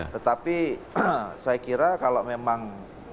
tetapi saya kira kalau memang